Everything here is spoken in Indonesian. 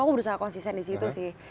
aku berusaha konsisten disitu sih